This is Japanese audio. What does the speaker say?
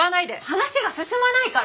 話が進まないから！